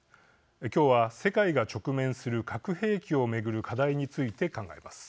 今日は世界が直面する核兵器を巡る課題について考えます。